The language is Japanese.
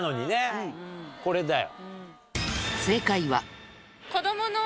これだよ。